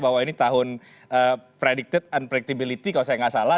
bahwa ini tahun predicted unprectability kalau saya nggak salah